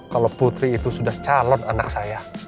kalau putri itu sudah calon anak saya